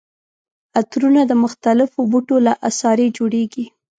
عطرونه د مختلفو بوټو له عصارې جوړیږي.